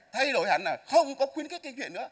thay đổi hẳn là không có khuyến khích kinh chuyện nữa